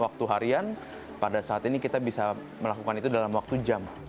waktu harian pada saat ini kita bisa melakukan itu dalam waktu jam